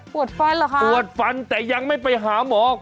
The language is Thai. ฟันเหรอคะปวดฟันแต่ยังไม่ไปหาหมอ